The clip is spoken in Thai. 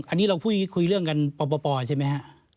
อันนี้เราคุยเรื่องกันป่อใช่ไหมครับ